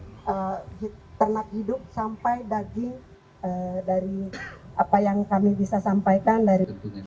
dari apa yang kami bisa sampaikan dari